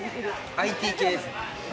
ＩＴ系ですね。